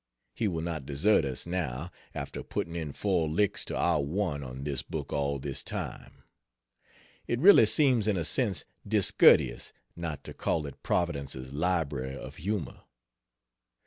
He will not desert us now, after putting in four licks to our one on this book all this time. It really seems in a sense discourteous not to call it "Providence's Library of Humor."